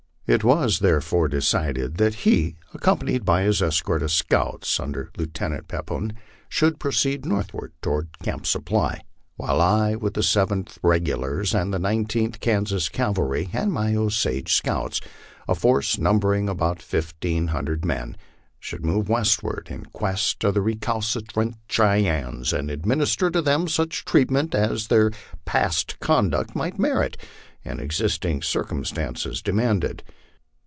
It was therefore decided that he, accompanied by his escort of scouts un der Lieutenant Pepoon, should proceed northward to Camp Supply, while I, with the Seventh Regulars and the Nineteenth Kansas Cavalry, and my Osage scouts, a force numbering about fifteen hundred men, should move westward in quest of the recalcitrant Cheyennes, and administer to them such treatment as their past conduct might merit and existing circumstances demanded.